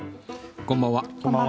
こんばんは。